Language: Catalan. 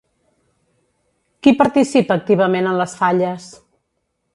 Qui participa activament en les Falles?